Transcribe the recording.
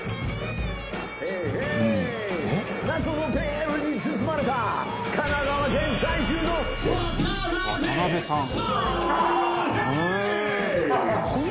謎のベールに包まれた神奈川県在住の渡邊さーん！